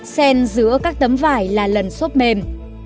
sen giữa các tấm vải là lần xốp mềm